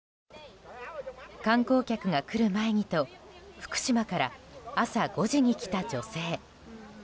観光客が来る前にと福島から朝５時に来た女性。